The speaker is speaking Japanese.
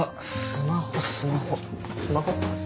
スマホ？